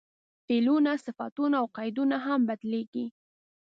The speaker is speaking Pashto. فعلونه، صفتونه او قیدونه هم بدلېږي.